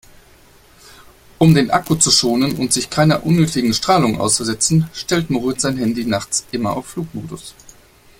Um den Akku zu schonen und sich keiner unnötigen Strahlung auszusetzen, stellt Moritz sein Handy nachts immer auf Flugmodus.